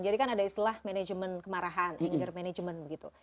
jadi kan ada istilah manajemen kemarahan anger manajemen gitu